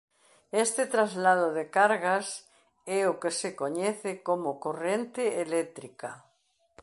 Este traslado de cargas é o que se coñece como corrente eléctrica.